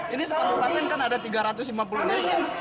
ini sekabupaten kan ada tiga ratus lima puluh desa